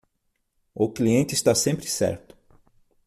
O cliente está sempre certo.